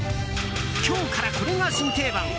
今日からこれが新定番！